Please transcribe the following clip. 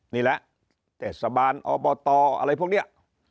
นี่แหละเทศบาลอบตอะไรพวกนี้